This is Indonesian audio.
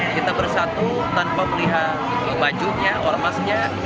kita bersatu tanpa melihat bajunya ormasnya